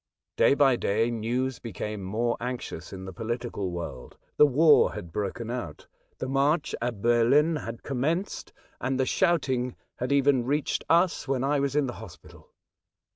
««« 9i& Day by day news became more anxious in the political world. The war had broken out. The march a Berlin had commenced, and the Besieged in Paris. 11 shouting had even reached us when I was in the hospital.